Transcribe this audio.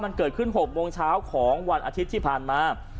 มันเกิดขึ้น๖โมงเช้าของวันอาทิตย์ที่ผ่านมา